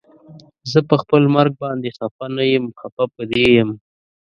زه پخپل مرګ باندې خفه نه یم خفه په دې یم